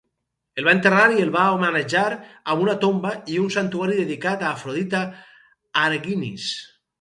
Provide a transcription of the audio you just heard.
El va enterrar i el va homenatjar amb una tomba i un santuari dedicat a Afrodita Argynnis.